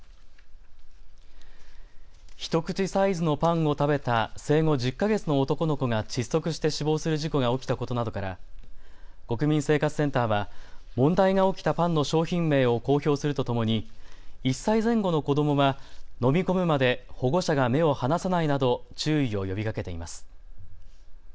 一口サイズのパンを食べた生後１０か月の男の子が窒息して死亡する事故が起きたことなどから、国民生活センターは問題が起きたパンの商品名を公表するとともに１歳前後の子どもは飲み込むまで保護者が目を離さないなど注意を呼びかけています。